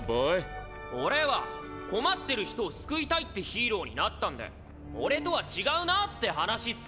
俺は「困ってる人を救いたい」ってヒーローになったんで俺とは違うなーって話っすよ。